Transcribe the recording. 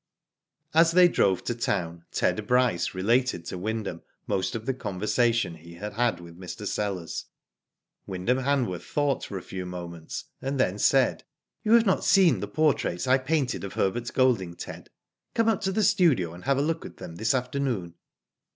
As they drove to town, Ted Bryce relatcfd to Wyndham most of the conversation he had with Mr. Sellers. Wyndham Hanworth thought for a few moments, and then said : Digitized byGoogk THE COLT BY PHANTOM. jig " You have not seen the portraits I painted of Herbert Golding, Ted? Come up to the studio and have a look at them this afternoon."